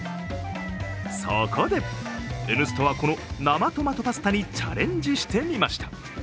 そこで「Ｎスタ」は、この生トマトパスタにチャレンジしてみました。